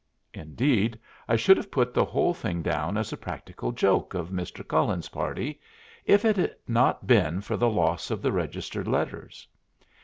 Indeed, I should have put the whole thing down as a practical joke of Mr. Cullen's party, if it had not been for the loss of the registered letters.